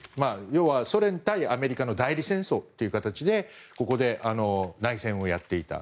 要はソ連対アメリカの代理戦争の形でここで内戦をやっていた。